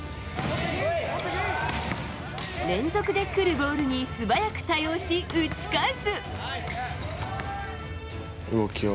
連続でくるボールに素早く対応し、打ち返す。